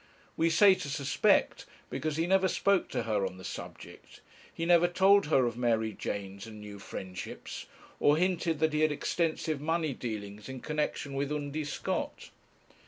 We say to suspect, because he never spoke to her on the subject; he never told her of Mary Janes and New Friendships; or hinted that he had extensive money dealings in connexion with Undy Scott.